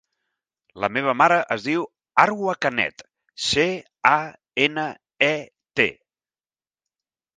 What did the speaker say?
La meva mare es diu Arwa Canet: ce, a, ena, e, te.